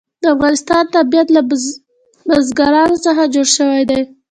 د افغانستان طبیعت له بزګان څخه جوړ شوی دی.